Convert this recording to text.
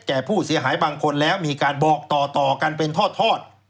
ผู้เสียหายบางคนแล้วมีการบอกต่อกันเป็นทอด